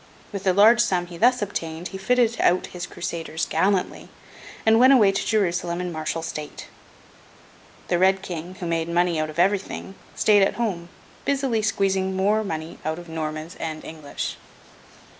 With the large sum he thus obtained, he fitted out his Crusaders gallantly, and went away to Jerusalem in martial state. The Red King, who made money out of everything, stayed at home, busily squeezing more money out of Normans and English.